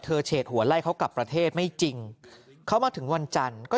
เฉดหัวไล่เขากลับประเทศไม่จริงเขามาถึงวันจันทร์ก็